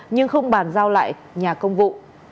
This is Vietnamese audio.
nhưng không bàn giao lại nhà công vụ